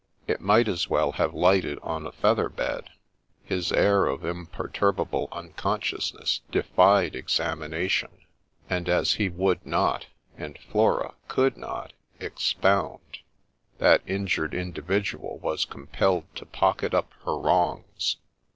It might as well have lighted on a feather bed. His air of imperturbable unconsciousness defied examination ; and as he would not, and Flora could not, expound, that injured individual THE SPECTRE OF TAPPINGTON 15 was compelled to pocket up her wrongs.